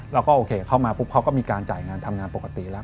เราก็โอเคเข้ามาปุ๊บเขาก็มีการจ่ายงานทำงานปกติแล้ว